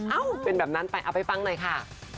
เอ้าเป็นแบบนั้นไปเอาไปฟังหน่อยค่ะ